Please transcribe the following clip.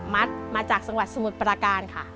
มาจากจังหวัดสมุทรปราการค่ะ